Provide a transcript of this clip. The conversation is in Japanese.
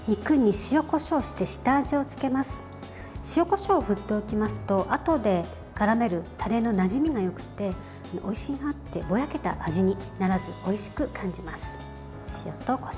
塩、こしょうを振っておきますとあとでからめるタレのなじみがよくておいしいなってぼやけた味にならずおいしく感じます。